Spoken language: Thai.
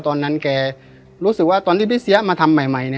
ตอนนั้นแกรู้สึกว่าตอนที่พี่เสียมาทำใหม่